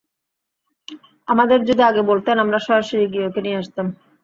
আমাদের যদি আগে বলতেন, আমরা সরাসরি গিয়ে ওকে নিয়ে আসতাম।